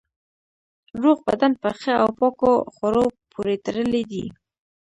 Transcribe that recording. روغ بدن په ښه او پاکو خوړو پورې تړلی دی.